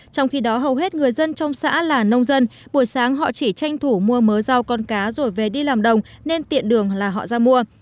trong khi đó hầu hết người dân trong xã là nông dân buổi sáng họ chỉ tranh thủ mua mớ rau con cá rồi về đi làm đồng nên tiện đường là họ ra mua